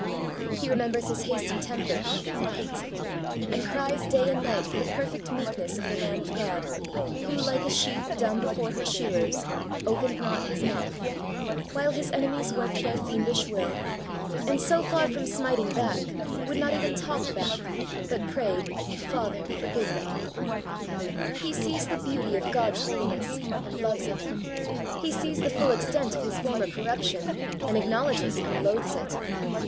He remembers his hasty temper, and hates it, and cries day and night for the perfect meekness of the Lamb of God, who, like a sheep dumb before her shearers, ' opened not His mouth,' while His enemies worked their fiendish will ; and, so far from smiting back, would not even talk back, but prayed, 'Father, forgive them.' He sees the beauty of God's Holiness, and loves it. He sees the full extent of his former corruption, and acknowledges and loathes it.